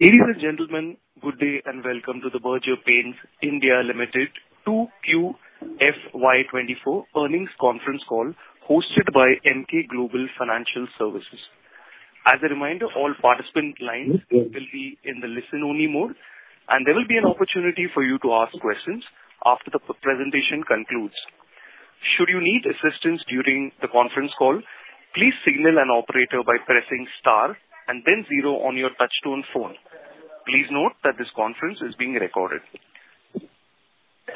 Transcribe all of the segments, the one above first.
Ladies and gentlemen, good day, and welcome to the Berger Paints India Limited 2Q FY24 earnings conference call hosted by Emkay Global Financial Services. As a reminder, all participant lines will be in the listen-only mode, and there will be an opportunity for you to ask questions after the presentation concludes. Should you need assistance during the conference call, please signal an operator by pressing star and then zero on your touchtone phone. Please note that this conference is being recorded.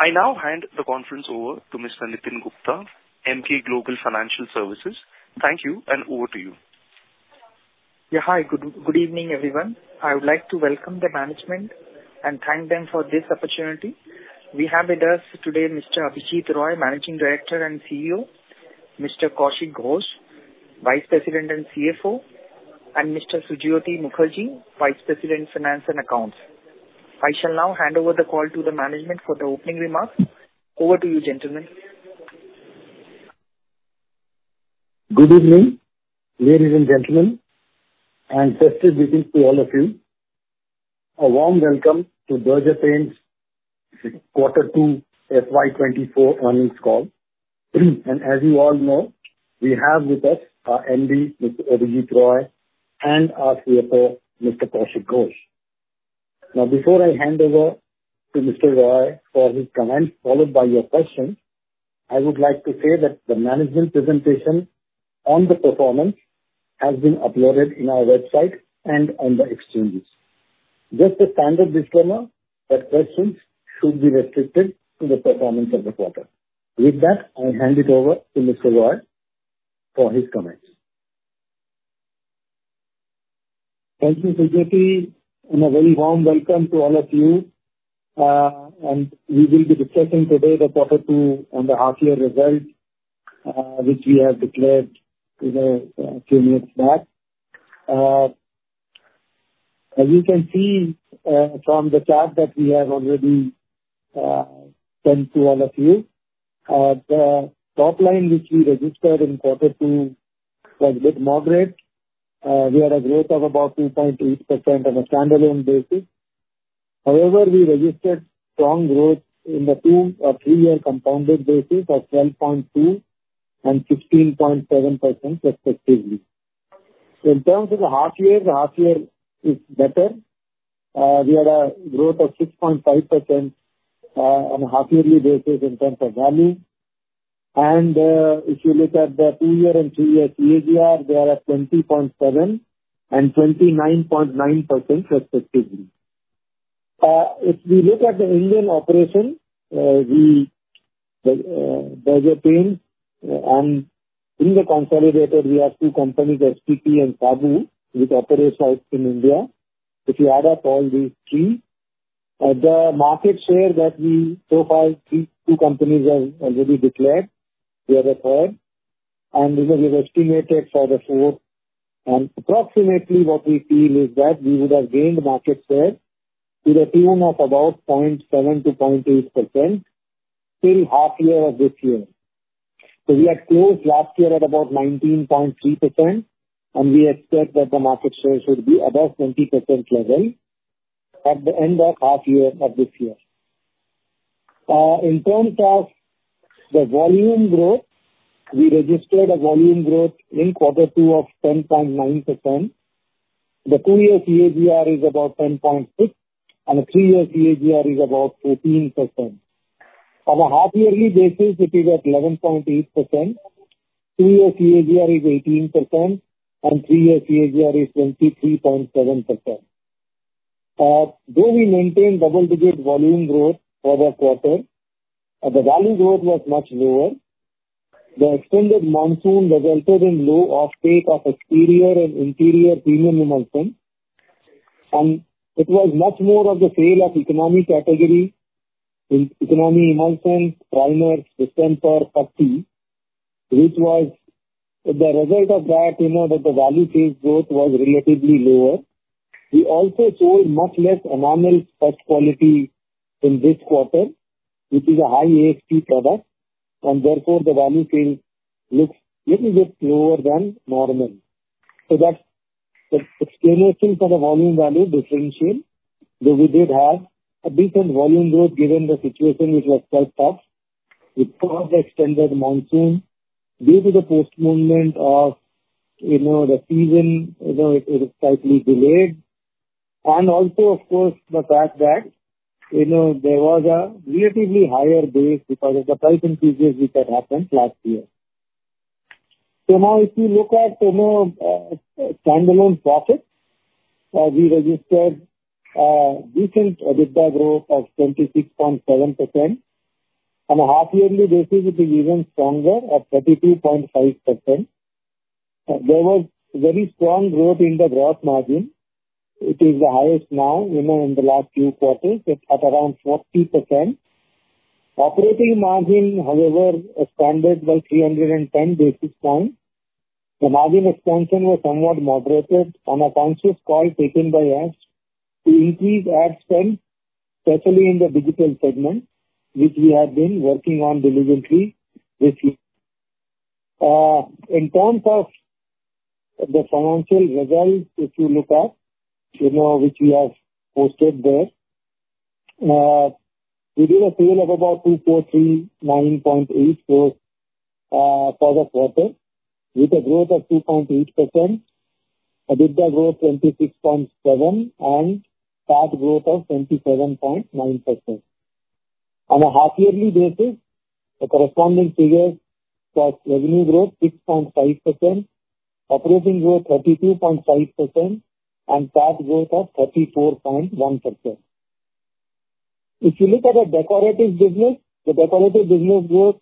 I now hand the conference over to Mr. Nitin Gupta, Emkay Global Financial Services. Thank you, and over to you. Yeah. Hi, good, good evening, everyone. I would like to welcome the management and thank them for this opportunity. We have with us today Mr. Abhijit Roy, Managing Director and CEO, Mr. Kaushik Ghosh, Vice President and CFO, and Mr. Sujyoti Mukherjee, Vice President, Finance and Accounts. I shall now hand over the call to the management for the opening remarks. Over to you, gentlemen. Good evening, ladies and gentlemen, and festive greetings to all of you. A warm welcome to Berger Paints quarter 2 FY 2024 earnings call. And as you all know, we have with us our MD, Mr. Abhijit Roy, and our CFO, Mr. Kaushik Ghosh. Before I hand over to Mr. Roy for his comments, followed by your questions, I would like to say that the management presentation on the performance has been uploaded in our website and on the exchanges. Just a standard disclaimer, that questions should be restricted to the performance of the quarter. With that, I'll hand it over to Mr. Roy for his comments. Thank you, Sujyoti, and a very warm welcome to all of you. And we will be discussing today the Q2 and the half year results, which we have declared, you know, a few minutes back. As you can see, from the chart that we have already sent to all of you, the top line, which we registered in quarter two, was a bit moderate. We had a growth of about 2.8% on a standalone basis. However, we registered strong growth in the two or three-year compounded basis of 12.2% and 16.7% respectively. In terms of the half year, the half year is better. We had a growth of 6.5% on a half-yearly basis in terms of value. If you look at the two-year and three-year CAGR, they are at 20.7% and 29.9% respectively. If we look at the Indian operation, we, Berger Paints, and in the consolidated, we have two companies, STP and Saboo, which operates sites in India. If you add up all these three, the market share that we so far, these two companies have already declared, we are the third, and this is estimated for the fourth. Approximately what we feel is that we would have gained market share to the tune of about 0.7%-0.8% in half year of this year. We had closed last year at about 19.3%, and we expect that the market share should be above 20% level at the end of half year of this year. In terms of the volume growth, we registered a volume growth in quarter two of 10.9%. The two-year CAGR is about 10.6, and the three-year CAGR is about 14%. On a half-yearly basis, it is at 11.8%, two-year CAGR is 18%, and three-year CAGR is 23.7%. Though we maintained double-digit volume growth for the quarter, the value growth was much lower. The extended monsoon resulted in low off-take of exterior and interior premium emulsion, and it was much more of the sale of economy category, in economy emulsions, primers, distemper, putty, which was the result of that, you know, that the value sales growth was relatively lower. We also sold much less enamel first quality in this quarter, which is a high ASP product, and therefore, the value sale looks little bit lower than normal. That's the explanation for the volume value differential, though we did have a decent volume growth given the situation, which was quite tough because the extended monsoon, due to the post movement of, you know, the season, you know, it is slightly delayed. Also, of course, the fact that, you know, there was a relatively higher base because of the price increases which had happened last year. Now if you look at, you know, standalone profits, we registered a decent EBITDA growth of 26.7%. On a half-yearly basis, it is even stronger at 32.5%. There was very strong growth in the gross margin. It is the highest now, you know, in the last few quarters at around 40%. Operating margin, however, expanded by 310 basis points. The margin expansion was somewhat moderated on a conscious call taken by us to increase ad spend, especially in the digital segment, which we have been working on diligently this year. In terms of the financial results, if you look at, you know, which we have posted there, we did a sale of about 2,439.84 for the quarter, with a growth of 2.8%. EBITDA grew 26.7%, and PAT growth of 27.9%. On a half-yearly basis, the corresponding figures were revenue growth 6.5%, operating growth 32.5%, and PAT growth of 34.1%. If you look at the decorative business, the decorative business growth,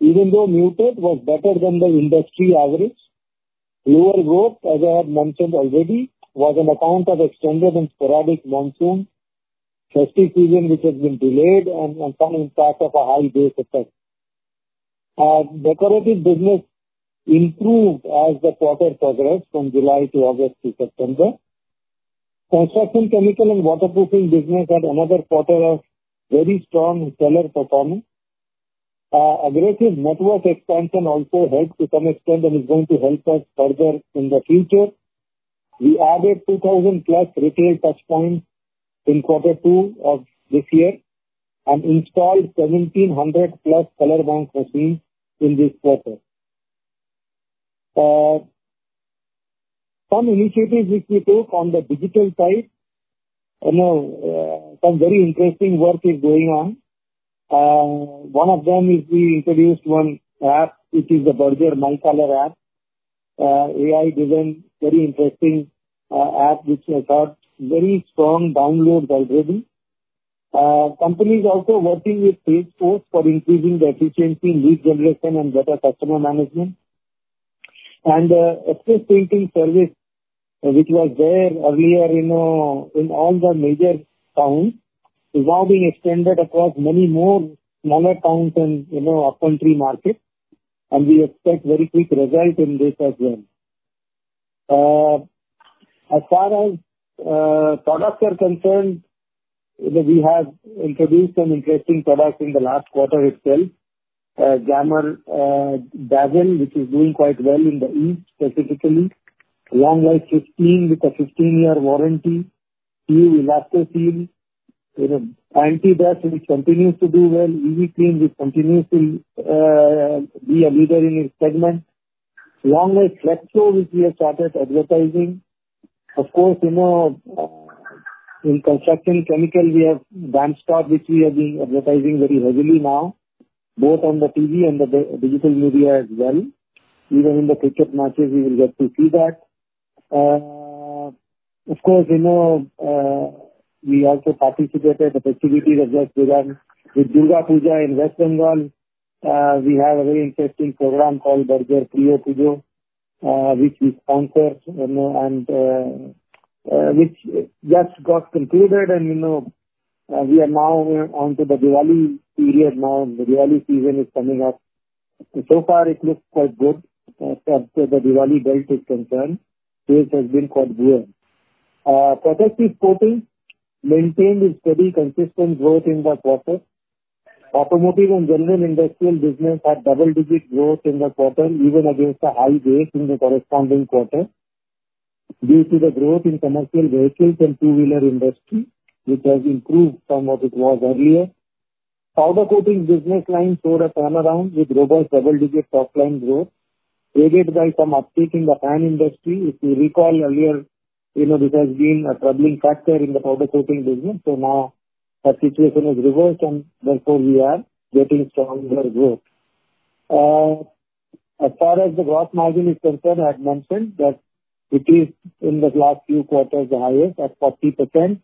even though muted, was better than the industry average. Lower growth, as I have mentioned already, was on account of extended and sporadic monsoon, festive season, which has been delayed and some impact of a high base effect. Decorative business improved as the quarter progressed from July to August to September. Construction chemicals and waterproofing business had another quarter of very strong sales performance. Aggressive network expansion also helped to some extent and is going to help us further in the future. We added 2,000+ retail touchpoints in quarter two of this year and installed 1,700+ ColorBank machines in this quarter. Some initiatives which we took on the digital side, you know, some very interesting work is going on. One of them is we introduced one app, which is the Berger My Colour app. AI-driven, very interesting, app, which has got very strong downloads already. The company is also working with Salesforce for increasing the efficiency in lead generation and better customer management. Express painting service, which was there earlier, you know, in all the major towns, is now being extended across many more smaller towns and, you know, upcountry markets, and we expect very quick results in this as well. As far as, you know, products are concerned, you know, we have introduced some interesting products in the last quarter itself. Silk Glamor Dazzle, which is doing quite well in the east, specifically. WeatherCoat Long Life 15, with a 15-year warranty. HomeShield Elastoseal, you know, WeatherCoat Anti Dustt, which continues to do well. Easy Clean, which continues to, you know, be a leader in its segment. WeatherCoat Long Life Flexo, which we have started advertising. Of course, you know, in construction chemical, we have Dampstop, which we have been advertising very heavily now, both on the TV and the digital media as well. Even in the cricket matches, you will get to see that. Of course, you know, we also participated in the festivities of this year with Durga Puja in West Bengal. We have a very interesting program called Berger Priyo Pujo, which we sponsored, you know, and, which just got concluded, and, you know, we are now onto the Diwali period now. The Diwali season is coming up. So far, it looks quite good, as far as the Diwali belt is concerned. Sales has been quite good. Protective Coatings maintained a steady, consistent growth in the quarter. Automotive and general industrial business had double-digit growth in the quarter, even against a high base in the corresponding quarter, due to the growth in commercial vehicles and two-wheeler industry, which has improved from what it was earlier. Powder Coating business line showed a turnaround with robust double-digit top line growth, aided by some uptick in the fan industry. If you recall earlier, you know, this has been a troubling factor in the powder coating business. So now the situation has reversed, and therefore we are getting stronger growth. As far as the gross margin is concerned, I had mentioned that it is in the last few quarters, the highest at 40%.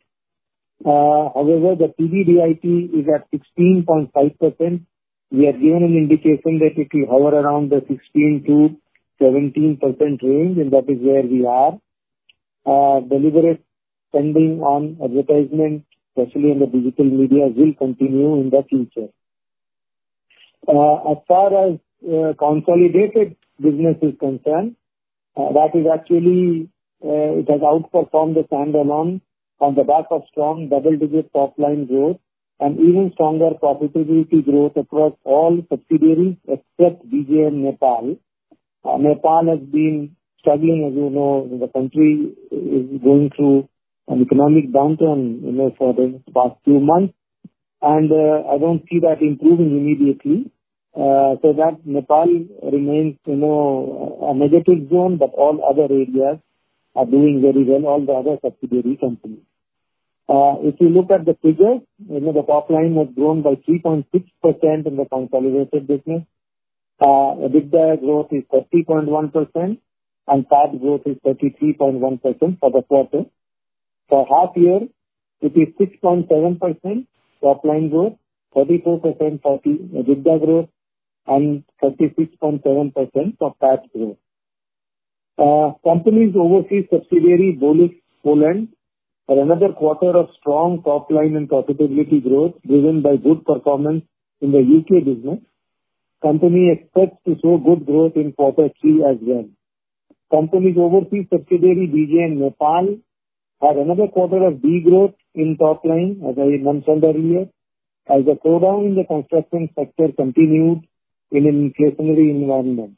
However, the PBDIT is at 16.5%. We had given an indication that it will hover around the 16%-17% range, and that is where we are. Deliberate spending on advertisement, especially in the digital media, will continue in the future. As far as consolidated business is concerned, that is actually it has outperformed the standalone on the back of strong double-digit top line growth and even stronger profitability growth across all subsidiaries, except BJN Nepal. Nepal has been struggling, as you know, the country is going through an economic downturn, you know, for the past few months, and I don't see that improving immediately. So that Nepal remains, you know, a negative zone, but all other areas are doing very well, all the other subsidiary companies. If you look at the figures, you know, the top line has grown by 3.6% in the consolidated business. EBITDA growth is 30.1%, and PAT growth is 33.1% for the quarter. For half year, it is 6.7% top line growth, 34% for the EBITDA growth, and 36.7% for PAT growth. Company's overseas subsidiary, Bolix Poland, had another quarter of strong top line and profitability growth, driven by good performance in the UK business. Company expects to show good growth in quarter three as well. Company's overseas subsidiary, BJN Nepal, had another quarter of degrowth in top line, as I mentioned earlier, as the slowdown in the construction sector continued in an inflationary environment.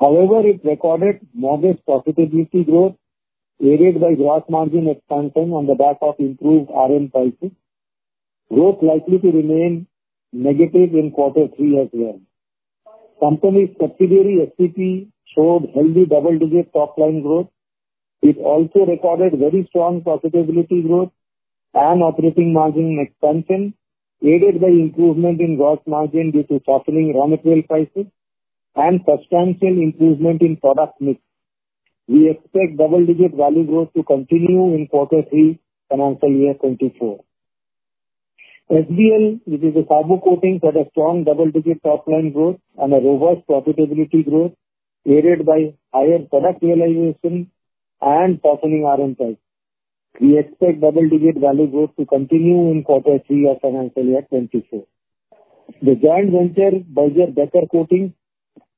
However, it recorded modest profitability growth, aided by gross margin expansion on the back of improved RM pricing. Growth likely to remain negative in quarter three as well. Company's subsidiary, STP, showed healthy double-digit top line growth. It also recorded very strong profitability growth and operating margin expansion, aided by improvement in gross margin due to softening raw material prices and substantial improvement in product mix. We expect double-digit value growth to continue in quarter three, financial year 2024. SBL, which is a specialty coating, had a strong double-digit top line growth and a robust profitability growth, aided by higher product realization and softening RM price. We expect double-digit value growth to continue in quarter three of financial year 2024. The joint venture, Berger Becker Coatings,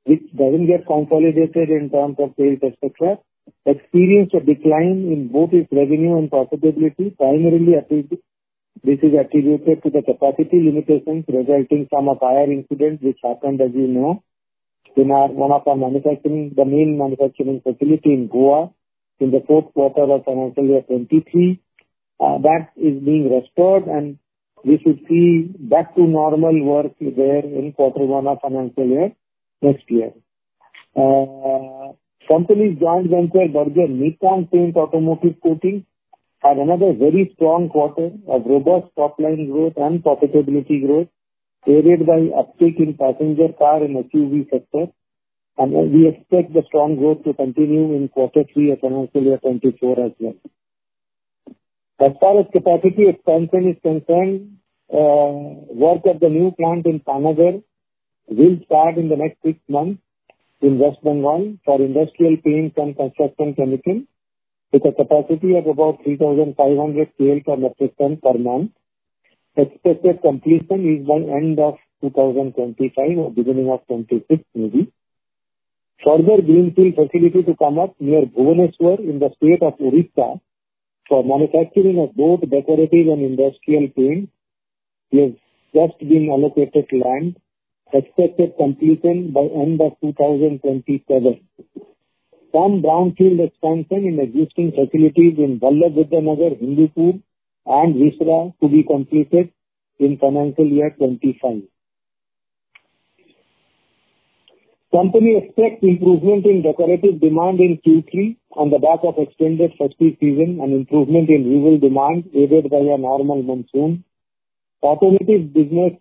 which doesn't get consolidated in terms of sales, et cetera, experienced a decline in both its revenue and profitability, primarily, this is attributed to the capacity limitations resulting from a fire incident which happened, as you know, in our main manufacturing facility in Goa in the fourth quarter of financial year 2023. That is being restored, and we should see back to normal work there in quarter one of financial year next year. Company's joint venture, Berger Nippon Paint Automotive Coatings, had another very strong quarter of robust top line growth and profitability growth, aided by uptick in passenger car and SUV sector. We expect the strong growth to continue in quarter three of financial year 2024 as well. As far as capacity expansion is concerned, work of the new plant in Panagarh will start in the next six months, investment one for industrial paints and construction chemicals, with a capacity of about 3,500 KL/ per month. Expected completion is by end of 2025 or beginning of 2026, maybe. Further greenfield facility to come up near Bhubaneswar in the state of Odisha for manufacturing of both decorative and industrial paints, we've just been allocated land. Expected completion by end of 2027. Some brownfield expansion in existing facilities in Ballabgarh, Delhi, Hindupur, and Visakhapatnam to be completed in financial year 25. Company expects improvement in decorative demand in Q3 on the back of extended festive season and improvement in rural demand, aided by a normal monsoon. Automotive business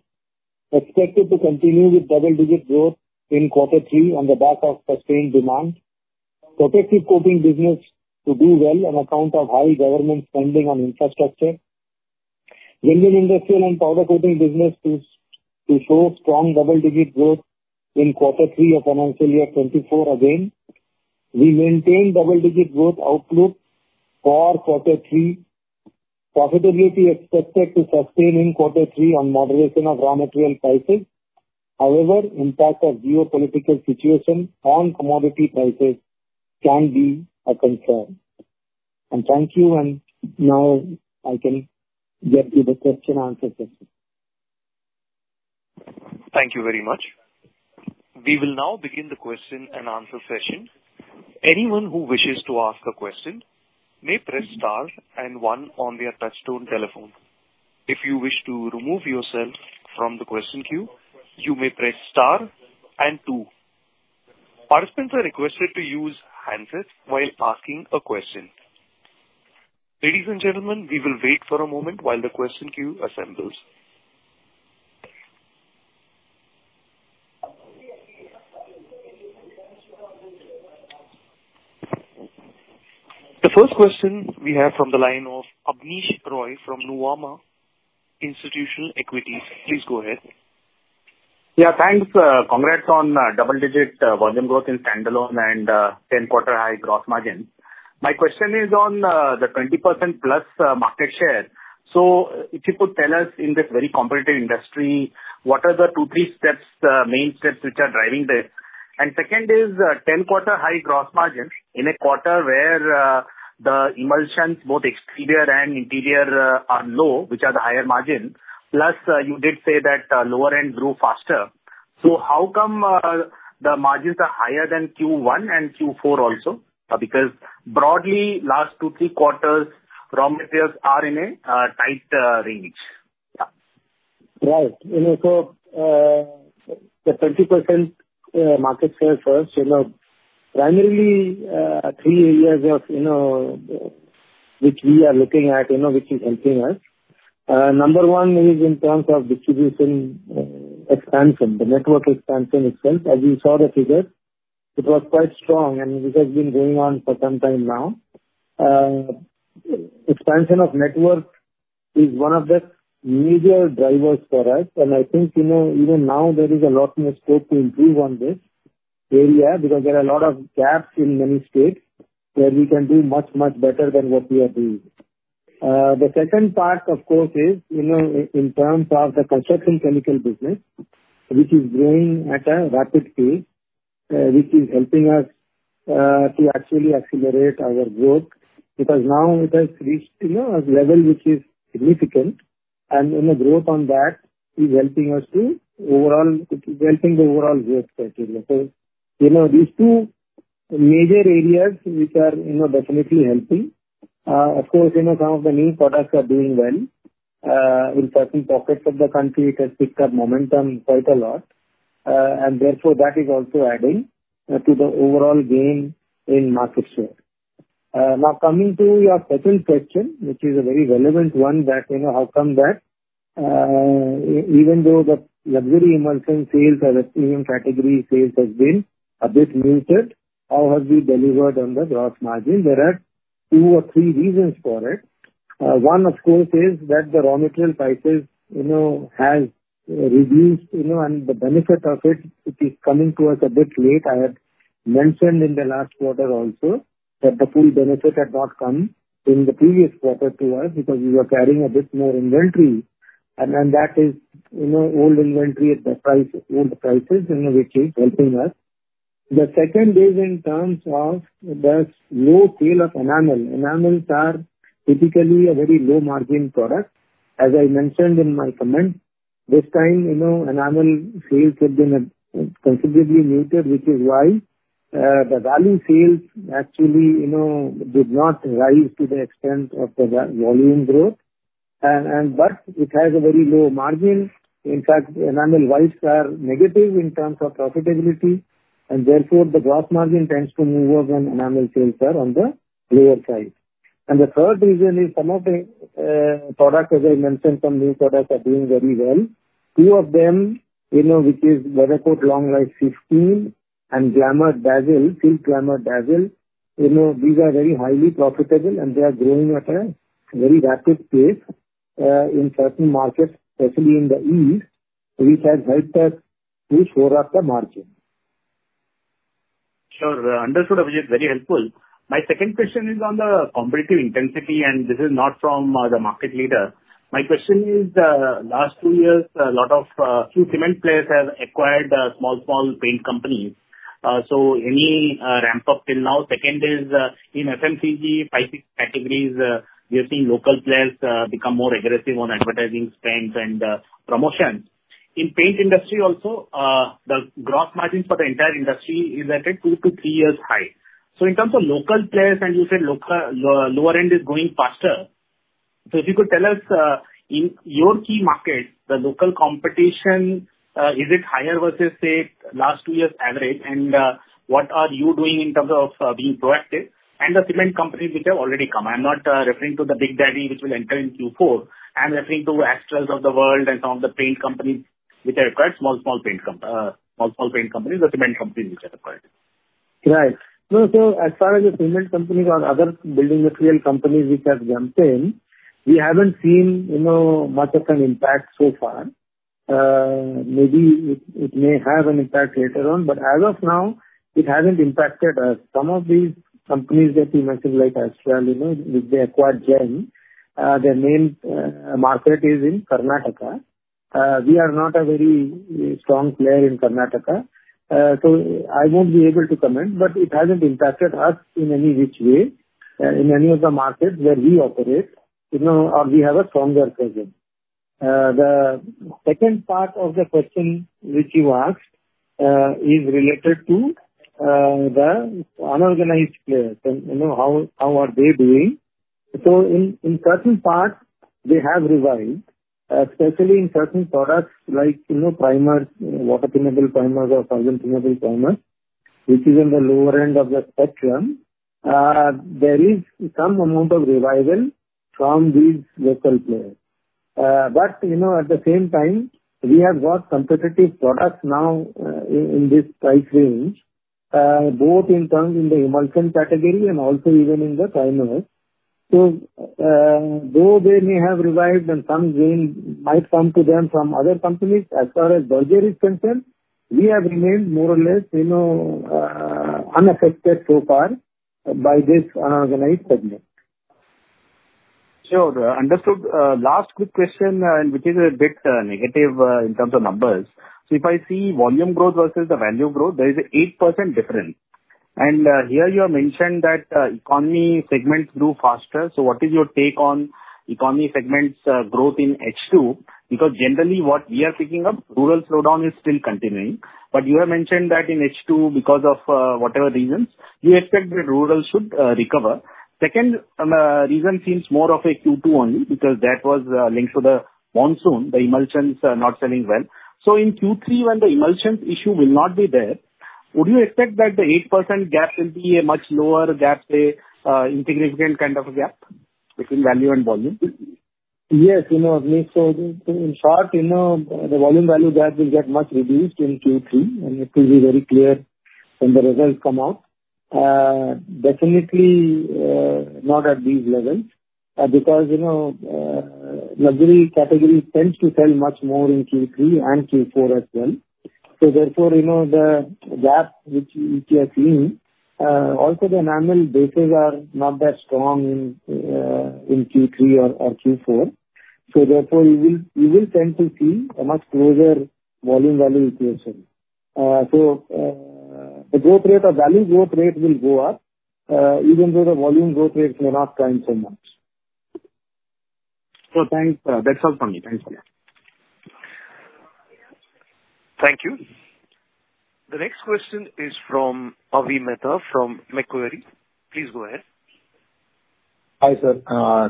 expected to continue with double-digit growth in quarter three on the back of sustained demand. Protective coating business to do well on account of high government spending on infrastructure. General Industrial and powder coating business is to show strong double-digit growth in quarter three of financial year 2024 again. We maintain double-digit growth outlook for quarter three. Profitability expected to sustain in quarter three on moderation of raw material prices. However, impact of geopolitical situation on commodity prices can be a concern. And thank you, and now I can get to the question-answer session. Thank you very much. We will now begin the question-and-answer session. Anyone who wishes to ask a question may press star and one on their touchtone telephone. If you wish to remove yourself from the question queue, you may press star and two. Participants are requested to use handsets while asking a question. Ladies and gentlemen, we will wait for a moment while the question queue assembles. The first question we have from the line of Abneesh Roy from Nuvama Institutional Equities. Please go ahead. Yeah, thanks. Congrats on double-digit volume growth in standalone and 10-quarter high gross margin. My question is on the 20%+ market share. If you could tell us in this very competitive industry, what are the two, three steps main steps, which are driving this? Second is 10-quarter high gross margin in a quarter where the emulsions, both exterior and interior, are low, which are the higher margin, plus you did say that lower end grew faster. How come the margins are higher than Q1 and Q4 also? Because broadly, last two, three quarters, raw materials are in a tight range. Right. You know, so, the 20% market share first, you know, primarily, three areas of, you know, which we are looking at, you know, which is helping us. Number one is in terms of distribution, expansion, the network expansion itself, as you saw the figures, it was quite strong, and this has been going on for some time now. Expansion of network is one of the major drivers for us, and I think, you know, even now, there is a lot more scope to improve on this area, because there are a lot of gaps in many states where we can do much, much better than what we are doing. The second part, of course, is, you know, in terms of the construction chemical business, which is growing at a rapid pace, which is helping us to actually accelerate our growth. Because now it has reached, you know, a level which is significant, and, you know, growth on that is helping us to overall, it is helping the overall growth criteria. These two major areas which are, you know, definitely helping. Of course, you know, some of the new products are doing well. In certain pockets of the country it has picked up momentum quite a lot, and therefore, that is also adding to the overall gain in market share. Now coming to your second question, which is a very relevant one, that you know, how come that, even though the luxury emulsion sales or the premium category sales has been a bit muted, how have we delivered on the Gross Margin? There are two or three reasons for it. One of course, is that the raw material prices, you know, have reduced, you know, and the benefit of it, it is coming to us a bit late. I had mentioned in the last quarter also that the full benefit had not come in the previous quarter to us because we were carrying a bit more inventory, and that is, you know, old inventory at the price, old prices, you know, which is helping us. The second is in terms of the low sale of enamel. Enamels are typically a very low-margin product. As I mentioned in my comment, this time, you know, enamel sales have been considerably muted, which is why the value sales actually, you know, did not rise to the extent of the volume growth, but it has a very low margin. In fact, enamels are negative in terms of profitability, and therefore, the gross margin tends to move up when enamel sales are on the lower side. The third reason is some of the products, as I mentioned, some new products are doing very well. Two of them, you know, which is Weathercoat Long Life 15 and Glamor Dazzle, Silk Glamor Dazzle, you know, these are very highly profitable, and they are growing at a very rapid pace in certain markets, especially in the east, which has helped us to shore up the margin. Sure. Understood, Abhijit. Very helpful. My second question is on the competitive intensity, and this is not from the market leader. My question is, last 2 years, a lot of few cement players have acquired small, small paint companies. Any ramp-up till now? Second is, in FMCG, 5-6 categories, we are seeing local players become more aggressive on advertising spends and promotions. In paint industry also, the gross margins for the entire industry is at a 2-3 years high. In terms of local players, and you said local, lower end is growing faster. If you could tell us, in your key markets, the local competition, is it higher versus, say, last 2 years' average? What are you doing in terms of being proactive? The cement companies which have already come. I'm not referring to the big daddy, which will enter in Q4. I'm referring to Astral of the world and some of the paint companies which have acquired small paint companies or cement companies which have acquired. Right. No, so as far as the cement companies or other building material companies which have jumped in, we haven't seen, you know, much of an impact so far. Maybe it may have an impact later on, but as of now, it hasn't impacted us. Some of these companies that you mentioned, like Astral, you know, which they acquired Gem, their main market is in Karnataka. We are not a very strong player in Karnataka. I won't be able to comment, but it hasn't impacted us in any which way, in any of the markets where we operate, you know, or we have a stronger presence. The second part of the question which you asked is related to the unorganized players and, you know, how are they doing? In certain parts, they have revived, especially in certain products like, you know, primers, water-thinable primers or solvent-thinable primers, which is in the lower end of the spectrum. There is some amount of revival from these local players. At the same time, we have got competitive products now, in this price range, both in terms of the emulsion category and also even in the primers. Though they may have revived and some gain might come to them from other companies, as far as Berger is concerned, we have remained more or less, you know, unaffected so far by this organized segment. Sure. Understood. Last quick question, and which is a bit negative in terms of numbers. If I see volume growth versus the value growth, there is an 8% difference. And here you have mentioned that economy segments grow faster. What is your take on economy segments growth in H2? Because generally, what we are picking up, rural slowdown is still continuing, but you have mentioned that in H2, because of whatever reasons, you expect the rural should recover. Second reason seems more of a Q2 only, because that was linked to the monsoon, the emulsions are not selling well. In Q3, when the emulsions issue will not be there, would you expect that the 8% gap will be a much lower gap, say, insignificant kind of a gap between value and volume? Yes, you know, so in short, you know, the volume value gap will get much reduced in Q3, and it will be very clear when the results come out. Definitely, not at this level, because, you know, luxury category tends to sell much more in Q3 and Q4 as well. Therefore, you know, the gap which you are seeing, also the normal bases are not that strong in Q3 or Q4. So therefore, you will tend to see a much closer volume value equation. The growth rate or value growth rate will go up, even though the volume growth rate may not climb so much. So thanks. That's all for me. Thanks again. Thank you. The next question is from Avi Mehta from Macquarie. Please go ahead. Hi, sir.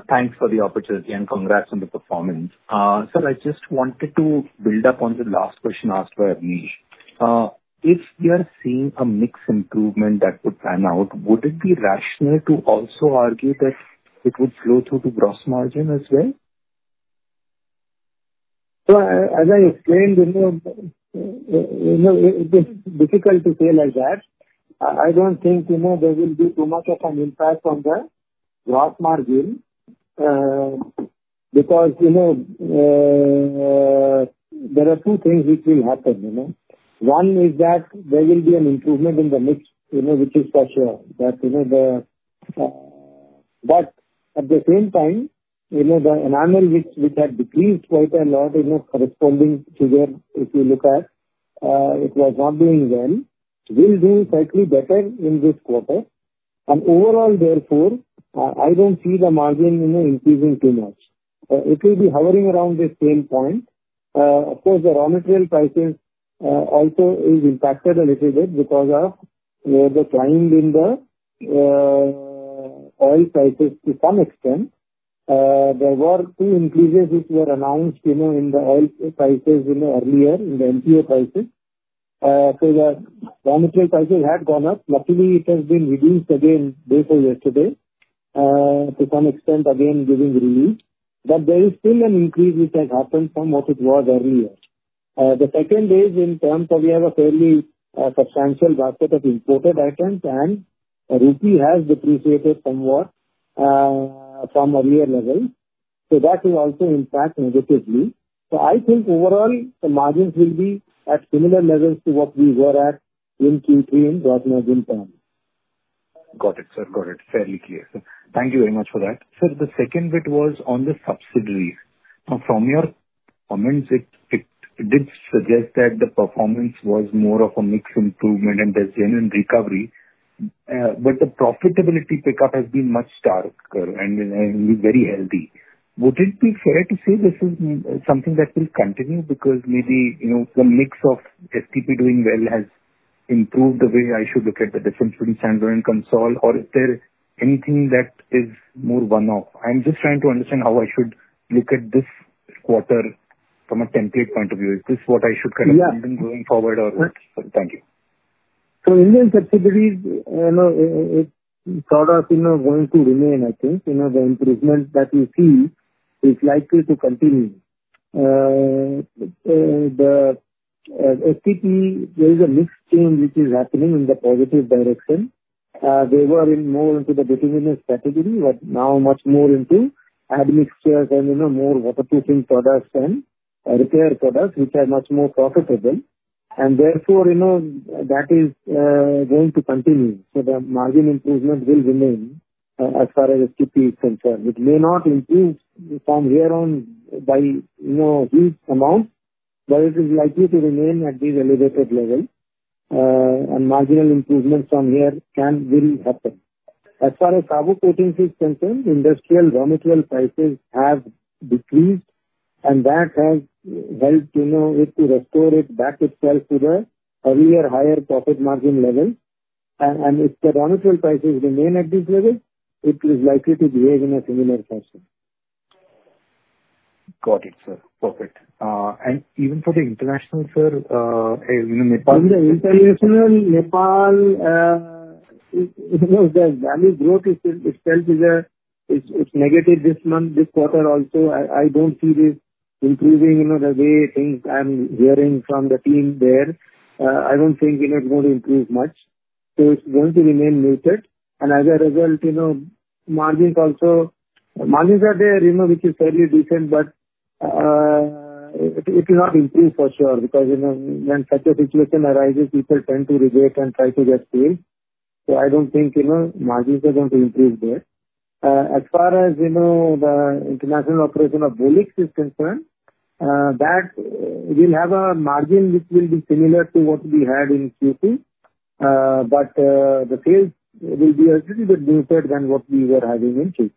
Thanks for the opportunity, and congrats on the performance. Sir, I just wanted to build up on the last question asked by Anil. If we are seeing a mix improvement that would pan out, would it be rational to also argue that it would flow through to gross margin as well? As I explained, you know, you know, it is difficult to say like that. I don't think, you know, there will be too much of an impact on the Gross Margin, because, you know, there are two things which will happen, you know? One is that there will be an improvement in the mix, you know, which is for sure, but at the same time, you know, the annual mix which had decreased quite a lot, you know, corresponding to where if you look at, it was not doing well, will do slightly better in this quarter, and overall, therefore, I don't see the Gross Margin, you know, increasing too much. It will be hovering around the same point. Of course, the raw material prices also is impacted a little bit because of the climb in the oil prices to some extent. There were two increases which were announced, you know, in the oil prices, you know, earlier in the MTO prices. The raw material prices had gone up. Luckily, it has been reduced again day before yesterday to some extent again, giving relief, but there is still an increase which has happened from what it was earlier. The second is in terms of we have a fairly substantial basket of imported items, and the rupee has depreciated somewhat from earlier levels, so that will also impact negatively. So I think overall, the margins will be at similar levels to what we were at in Q3 in gross margin terms. Got it, sir. Got it. Fairly clear, sir. Thank you very much for that. Sir, the second bit was on the subsidiaries. Now, from your comments, it, it did suggest that the performance was more of a mix improvement and there's genuine recovery. The profitability pickup has been much sharper and very healthy. Would it be fair to say this is something that will continue? Because maybe, you know, the mix of STP doing well has improved the way I should look at the different standalone income statement, or is there anything that is more one-off? I'm just trying to understand how I should look at this quarter from a template point of view. Is this what I should kind of- Yeah. See going forward or what? Thank you. Indian subsidiaries, you know, it sort of, you know, going to remain, I think. You know, the improvement that we see is likely to continue. The STP, there is a mix change which is happening in the positive direction. They were in more into the determined category, but now much more into admixtures and, you know, more waterproofing products and repair products, which are much more profitable. Therefore, you know, that is going to continue. The margin improvement will remain, as far as STP is concerned. It may not increase from here on by, you know, huge amounts, but it is likely to remain at this elevated level, and marginal improvements from here can really happen. As far as powder coatings is concerned, industrial raw material prices have decreased, and that has helped, you know, it to restore it back itself to the earlier higher profit margin level, and if the raw material prices remain at this level, it is likely to behave in a similar fashion. Got it, sir. Perfect. And even for the international, sir, in Nepal. In the international, Nepal, you know, the value growth itself is, it's negative this month, this quarter also. I don't see this improving, you know, the way things I'm hearing from the team there. I don't think, you know, it's going to improve much. It's going to remain muted. As a result, you know, margins also. Margins are there, you know, which is fairly decent, but it will not improve for sure, because, you know, when such a situation arises, people tend to relate and try to get sales. I don't think, you know, margins are going to improve there. As far as, you know, the international operation of Bolix is concerned, that will have a margin which will be similar to what we had in Q3. But the sales will be a little bit muted than what we were having in Q3.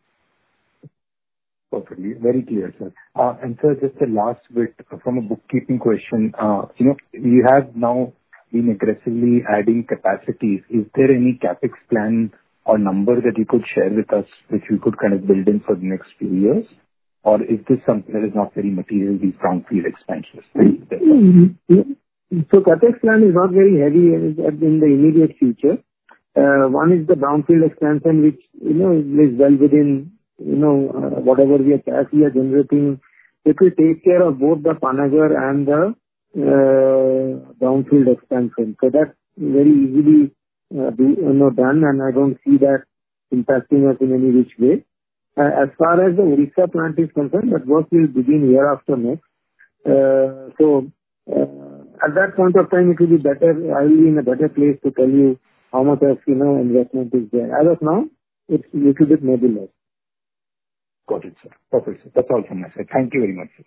Perfectly. Very clear, sir. Sir, just a last bit from a bookkeeping question. You know, you have now been aggressively adding capacities. Is there any CapEx plan or number that you could share with us, which we could kind of build in for the next few years? Or is this something that is not very materially brownfield expansions? CapEx plan is not very heavy in the immediate future. One is the brownfield expansion, which, you know, is well within, you know, whatever we are, cash we are generating. It will take care of both the Panagarh and the brownfield expansion. That's very easily, you know, done, and I don't see that impacting us in any which way. As far as the Odisha plant is concerned, that work will begin year after next. At that point of time, it will be better, I'll be in a better place to tell you how much investment is there. As of now, it's little bit maybe less. Got it, sir. Perfect, sir. That's all from my side. Thank you very much, sir.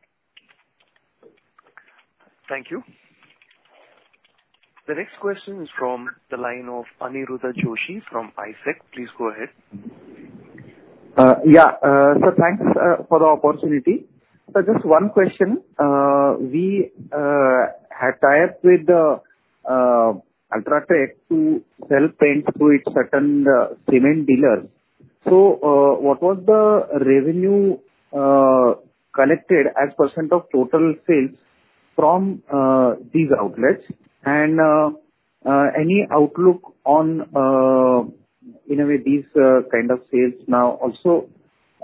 Thank you. The next question is from the line of Aniruddha Joshi from ICICI Securities. Please go ahead. Yeah. Thanks for the opportunity. Just one question. We had tied with the UltraTech to sell paint through its certain cement dealers. What was the revenue collected as % of total sales from these outlets? Any outlook on, you know, these kind of sales now?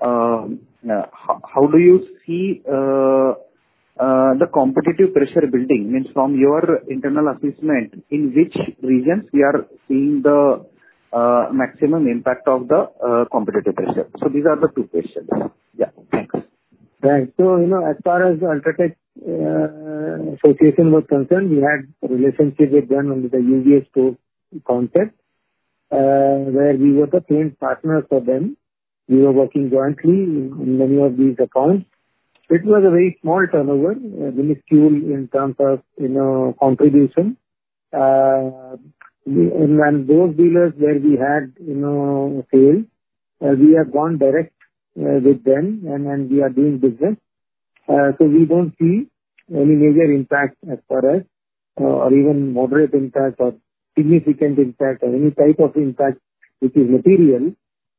How do you see the competitive pressure building? Means from your internal assessment, in which regions we are seeing the maximum impact of the competitive pressure? These are the two questions. Yeah. Thanks. Right. As far as the UltraTech association was concerned, we had a relationship with them under the UBS store concept, where we were the paint partner for them. We were working jointly in many of these accounts. It was a very small turnover, minuscule in terms of, you know, contribution. When those dealers where we had, you know, sales, we have gone direct, with them, and then we are doing business. We don't see any major impact as far as, or even moderate impact or significant impact or any type of impact which is material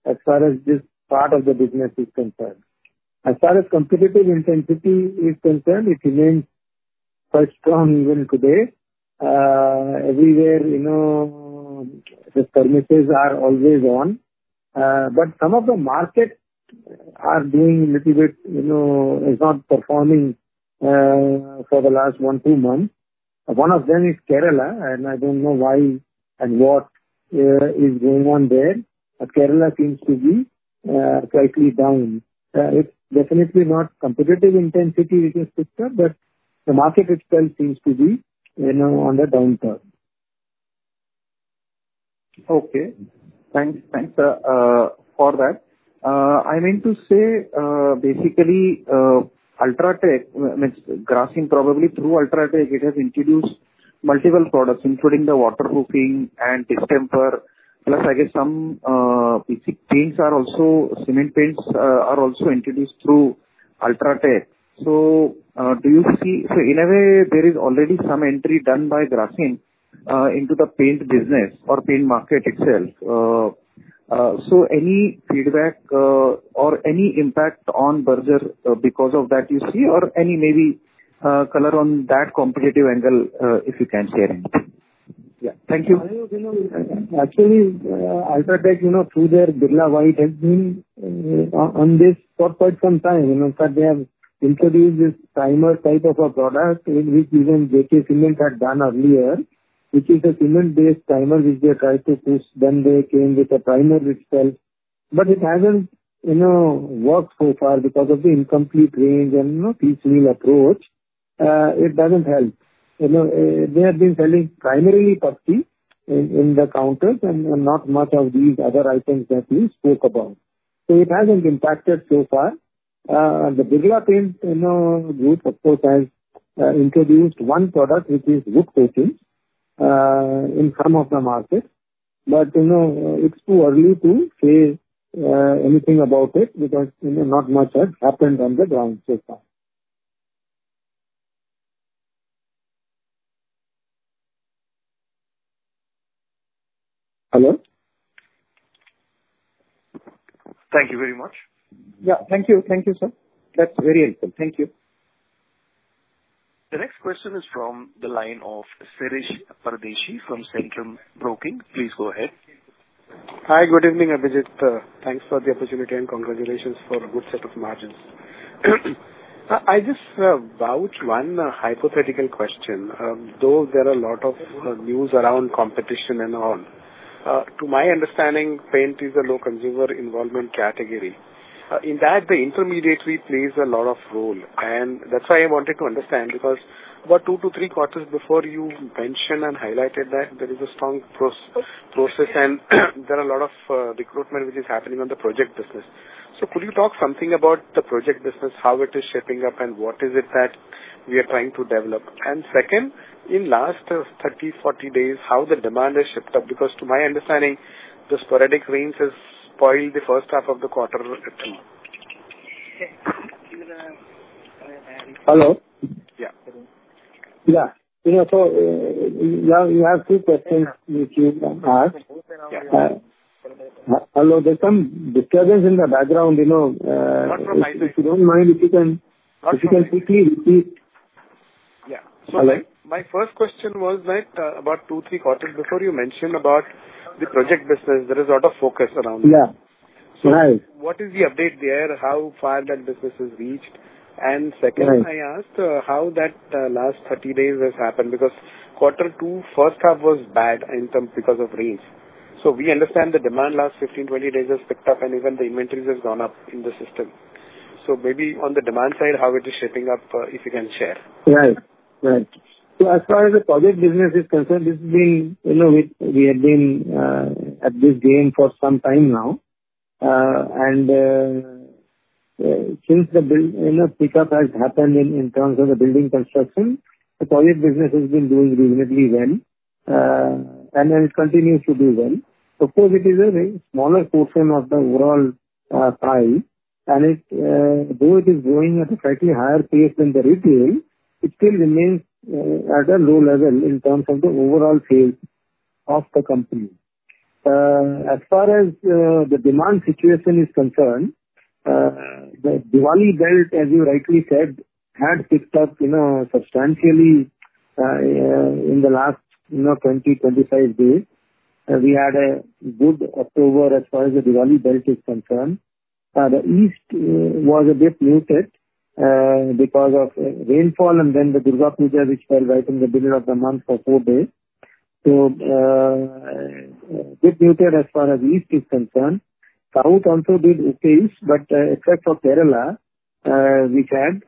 as far as this part of the business is concerned. As far as competitive intensity is concerned, it remains quite strong even today. Everywhere, you know, the premises are always on, but some of the markets are doing little bit, you know, is not performing, for the last 1-2 months. One of them is Kerala, and I don't know why and what is going on there, but Kerala seems to be slightly down. It's definitely not competitive intensity which is weaker, but the market itself seems to be, you know, on the downturn. Okay. Thanks. Thanks for that. I meant to say, basically, UltraTech means Grasim probably through UltraTech, it has introduced multiple products, including the waterproofing and distemper, plus I guess some basic paints are also, cement paints are also introduced through UltraTech. Do you see... So in a way, there is already some entry done by Grasim into the paint business or paint market itself. Any feedback or any impact on Berger because of that, you see? Or any maybe color on that competitive angle if you can share anything? Yeah. Thank you. You know, actually, UltraTech, you know, through their Birla White has been on this for quite some time. You know, in fact, they have introduced this primer type of a product, in which even J.K. Cement had done earlier, which is a cement-based primer, which they tried to push. Then they came with a primer itself, but it hasn't, you know, worked so far because of the incomplete range and, you know, piecemeal approach. It doesn't help. You know, they have been selling primarily putty in the counters and not much of these other items that you spoke about. It hasn't impacted so far. The Birla paint group, of course, has introduced one product, which is wood coatings, in some of the markets, but, you know, it's too early to say anything about it because, you know, not much has happened on the ground so far. Hello? Thank you very much. Yeah. Thank you. Thank you, sir. That's very helpful. Thank you. The next question is from the line of Shirish Pardeshi from Centrum Broking. Please go ahead. Hi, good evening, Abhijit. Thanks for the opportunity and congratulations for good set of margins. I just have one hypothetical question. Though there are a lot of news around competition and all, to my understanding, paint is a low consumer involvement category. In that, the intermediary plays a lot of role, and that's why I wanted to understand, because about 2-3 quarters before, you mentioned and highlighted that there is a strong process, and there are a lot of recruitment which is happening on the project business. Could you talk something about the project business, how it is shaping up, and what is it that we are trying to develop? Second, in last 30-40 days, how the demand has shaped up? Because to my understanding, the sporadic rains has spoiled the first half of the quarter with it. Hello? Yeah. Yeah. You know, so you have, you have two questions which you've asked. Yeah. Hello, there's some disturbance in the background, you know. Not from my side. If you don't mind, if you can- Not from my side. If you can quickly repeat. Yeah. Hello? My, my first question was that, about two, three quarters before you mentioned about the project business, there is a lot of focus around it. Yeah. Right. What is the update there? How far that business has reached? Right. Second, I asked how that last 30 days has happened, because quarter two, first half was bad in term because of rains. We understand the demand last 15, 20 days has picked up, and even the inventories has gone up in the system. Maybe on the demand side, how it is shaping up, if you can share? Right. Right. As far as the project business is concerned, this is, you know, we have been at this game for some time now. Since the build, you know, pickup has happened in terms of the building construction, the project business has been doing reasonably well, and then it continues to do well. Of course, it is a very smaller portion of the overall pie, and it, though it is growing at a slightly higher pace than the retail, it still remains at a low level in terms of the overall sales of the company. As far as the demand situation is concerned, the Diwali belt, as you rightly said, had picked up, you know, substantially in the last, you know, 20-25 days. We had a good October as far as the Diwali belt is concerned. The east was a bit muted because of rainfall and then the Durga Puja, which fell right in the middle of the month for four days. Bit muted as far as east is concerned. South also did okay, but except for Kerala, which had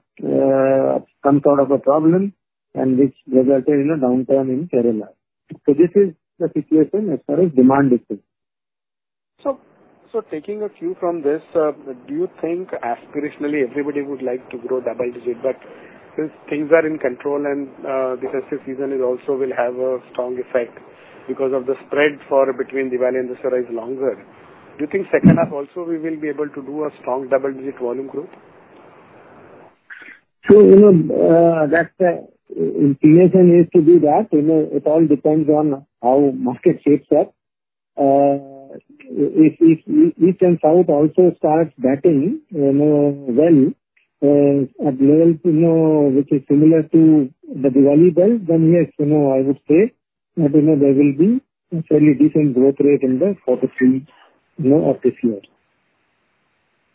some sort of a problem and which resulted in a downturn in Kerala. This is the situation as far as demand is concerned. Taking a cue from this, do you think aspirationally everybody would like to grow double digit, but since things are in control and the festive season is also will have a strong effect because of the spread or between Diwali and Dussehra is longer. Do you think second-half also we will be able to do a strong double-digit volume growth? That inclination is to do that. It all depends on how market shapes up. If, if east and south also starts batting, you know, well, at levels, you know, which is similar to the Diwali belt, then, yes, you know, I would say, you know, there will be a fairly decent growth rate in the quarter three, you know, of this year.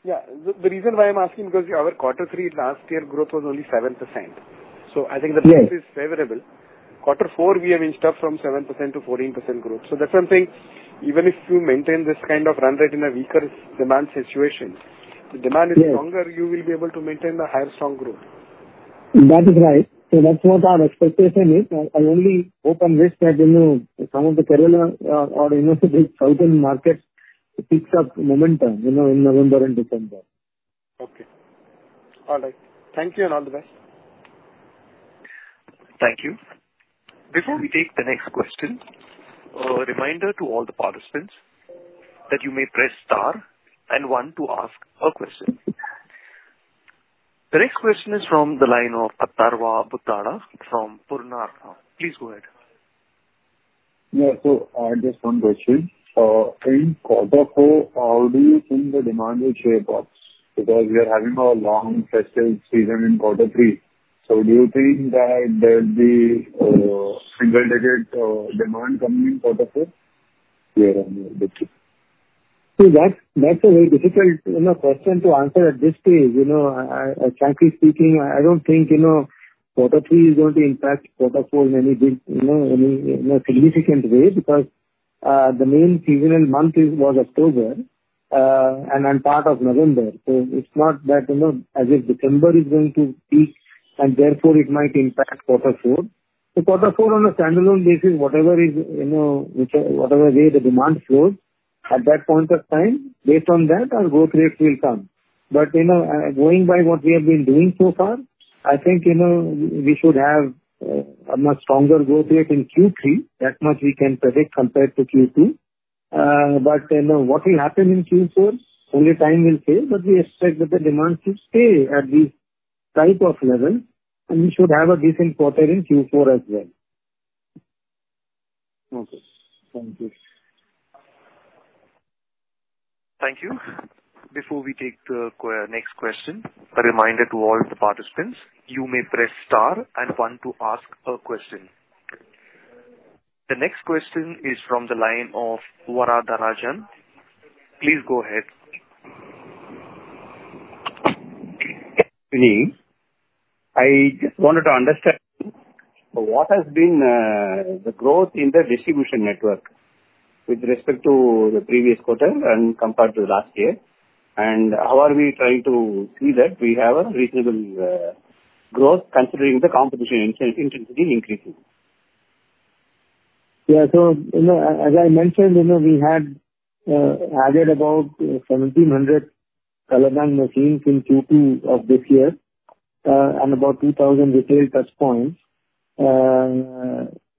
Yeah. The reason why I'm asking, because your quarter three last year growth was only 7%. Yes. I think the pace is favorable. Quarter four, we have inched up from 7% to 14% growth. So that's why I'm saying, even if you maintain this kind of run rate in a weaker demand situation- Yes. If demand is stronger, you will be able to maintain a higher, strong growth. That is right. So that's what our expectation is. I only hope and wish that, you know, some of the Kerala or, you know, the southern market picks up momentum, you know, in November and December. Okay. All right. Thank you, and all the best. Thank you. Before we take the next question, a reminder to all the participants that you may press star and one to ask a question. The next question is from the line of Atharva Bhutara from Purnartha. Please go ahead. Yeah. Just one question. In quarter four, how do you think the demand will shape up? Because we are having a long festive season in quarter three. Do you think that there'll be single digits of demand coming in quarter four year-on-year basis? That's, that's a very difficult, you know, question to answer at this stage. You know, I, I, frankly speaking, I don't think, you know, quarter three is going to impact quarter four in any big, you know, any, you know, significant way, because, the main season and month is, was October, and then part of November. It's not that, you know, as if December is going to peak, and therefore it might impact Q4. Q4, on a standalone basis, whatever is, you know, which, whatever way the demand flows, at that point of time, based on that, our growth rate will come. But, you know, going by what we have been doing so far, I think, you know, we, we should have, a much stronger growth rate in Q3. That much we can predict compared to Q2. What will happen in Q4, only time will tell, but we expect that the demand should stay at this type of level, and we should have a decent quarter in Q4 as well. Okay. Thank you. Thank you. Before we take the next question, a reminder to all the participants, you may press star and one to ask a question. The next question is from the line of Varadarajan. Please go ahead. Good evening. I just wanted to understand, what has been the growth in the distribution network with respect to the previous quarter and compared to last year, and how are we trying to see that we have a reasonable growth, considering the competition in intensity increasing? Yeah. As I mentioned, you know, we had added about 1,700 color bank machines in Q2 of this year, and about 2,000 retail touchpoints,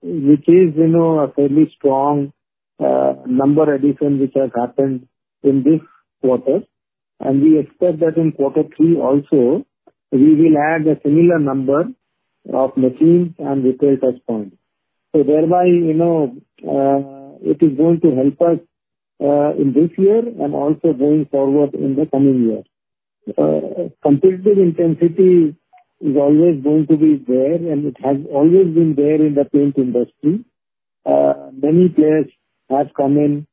which is, you know, a fairly strong number addition which has happened in this quarter. We expect that in quarter three also, we will add a similar number of machines and retail touchpoints. So thereby, you know, it is going to help us in this year and also going forward in the coming year. Competitive intensity is always going to be there, and it has always been there in the paint industry. Many players have come in,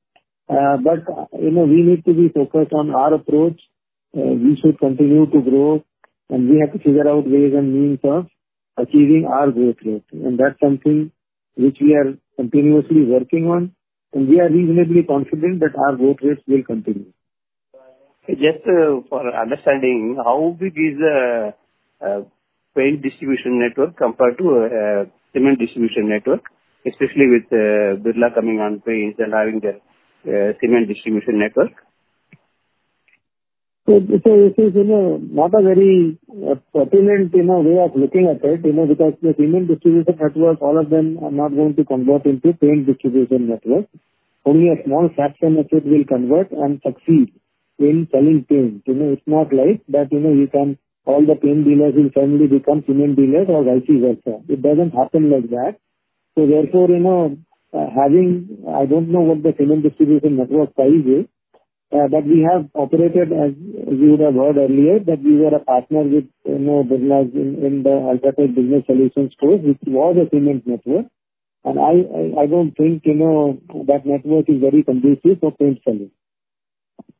but, you know, we need to be focused on our approach. We should continue to grow-... We have to figure out ways and means of achieving our growth rate, and that's something which we are continuously working on, and we are reasonably confident that our growth rates will continue. Just, for understanding, how big is paint distribution network compared to cement distribution network, especially with Birla coming on paints and having the cement distribution network? This is, you know, not a very pertinent, you know, way of looking at it, you know, because the cement distribution networks, all of them are not going to convert into paint distribution networks. Only a small fraction of it will convert and succeed in selling paint. You know, it's not like that, you know, you can all the paint dealers will suddenly become cement dealers or vice versa. It doesn't happen like that. Therefore, you know, having, I don't know what the cement distribution network size is, but we have operated, as you would have heard earlier, that we were a partner with, you know, Birla in the UltraTech Business Solutions group, which was a cement network. And I don't think, you know, that network is very conducive for paint selling.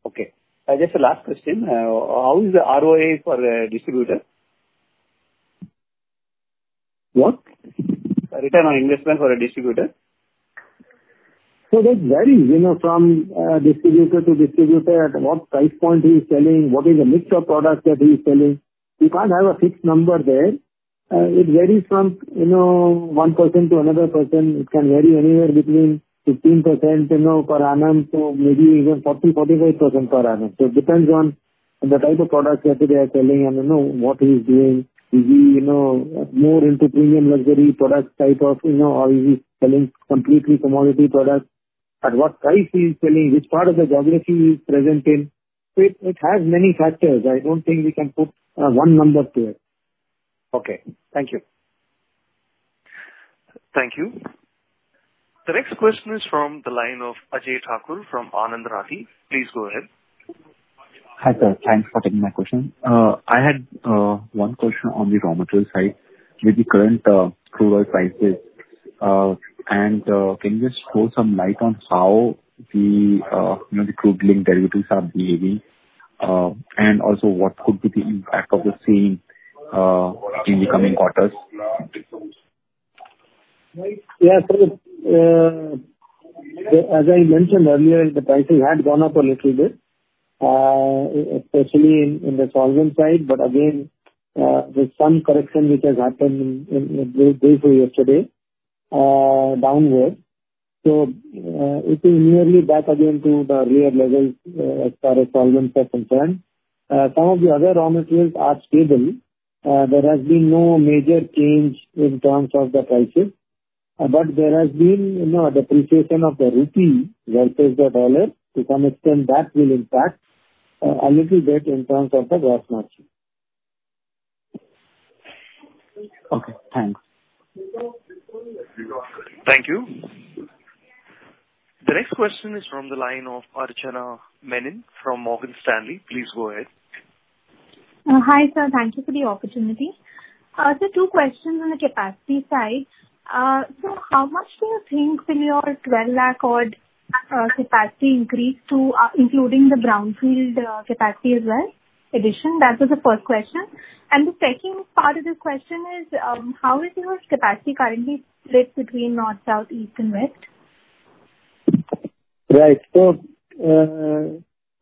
Okay. Just a last question. How is the ROA for the distributor? What? Return on investment for a distributor. That varies, you know, from distributor to distributor, at what price point he's selling, what is the mix of products that he's selling. You can't have a fixed number there. It varies from, you know, one person to another person. It can vary anywhere between 15%, you know, per annum to maybe even 40-45% per annum. It depends on the type of products that they are selling and, you know, what he's doing. Is he, you know, more into premium luxury product type of, you know, or is he selling completely commodity products? At what price he is selling, which part of the geography he is present in. It has many factors. I don't think we can put one number there. Okay. Thank you. Thank you. The next question is from the line of Ajay Thakur from Anand Rathi. Please go ahead. Hi, sir. Thanks for taking my question. I had one question on the raw material side with the current crude oil prices. Can you just throw some light on how the you know, the crude linked derivatives are behaving? Also, what could be the impact of the same in the coming quarters? Right. Yeah. As I mentioned earlier, the pricing had gone up a little bit, especially in, in the solvent side, but again, there's some correction which has happened in, in, day before yesterday, downward. It is nearly back again to the earlier levels, as far as solvents are concerned. Some of the other raw materials are stable. There has been no major change in terms of the prices, but there has been, you know, a depreciation of the rupee versus the dollar. To some extent, that will impact, a little bit in terms of the gross margin. Okay, thanks. Thank you. The next question is from the line of Archana Menon from Morgan Stanley. Please go ahead. Hi, sir. Thank you for the opportunity. Two questions on the capacity side. So how much do you think in your 12 lakh odd capacity increase to, including the brownfield capacity as well, addition? That was the first question. And the second part of the question is, how is your capacity currently split between north, south, east and west? Right.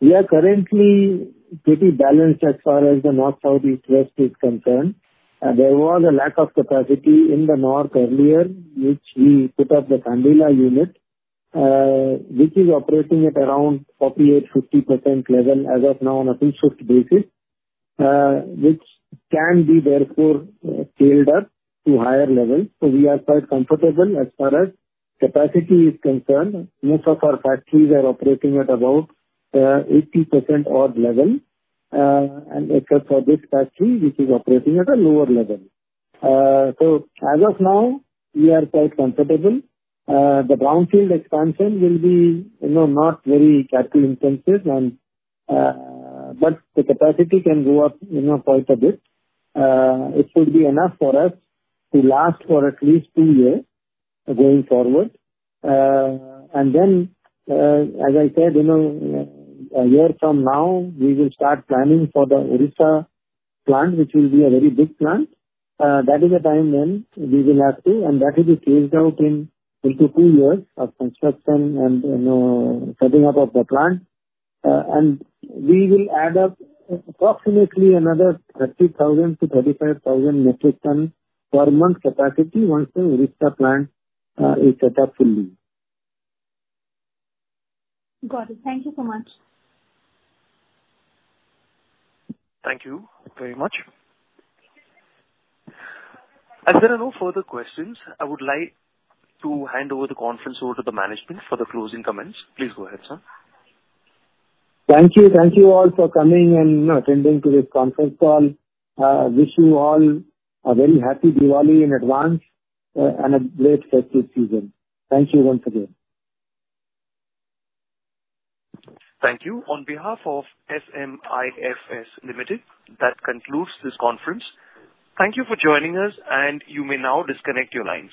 We are currently pretty balanced as far as the north, south, east, west is concerned. There was a lack of capacity in the north earlier, which we put up the Kandla unit, which is operating at around 48-50% level as of now on a consistent basis, which can be therefore scaled up to higher levels. We are quite comfortable as far as capacity is concerned. Most of our factories are operating at about 80% odd level, and except for this factory, which is operating at a lower level. As of the brownfield expansion will be, you know, not very capital intensive and, but the capacity can go up, you know, quite a bit. It should be enough for us to last for at least two years going forward. As I said, you know, a year from now, we will start planning for the Odisha plant, which will be a very big plant. That is a time when we will have to, and that will be phased out in 3 to 2 years of construction and, you know, setting up of the plant. We will add up approximately another 30,000-35,000 metric ton per month capacity once the Odisha plant is set up fully. Got it. Thank you so much. Thank you very much. As there are no further questions, I would like to hand over the conference to the management for the closing comments. Please go ahead, sir. Thank you. Thank you all for coming and attending to this conference call. Wish you all a very happy Diwali in advance, and a great festive season. Thank you once again. Thank you. On behalf of Emkay Global Financial Services, that concludes this conference. Thank you for joining us, and you may now disconnect your lines.